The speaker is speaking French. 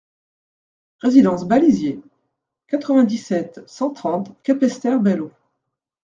Résidence Balisier, quatre-vingt-dix-sept, cent trente Capesterre-Belle-Eau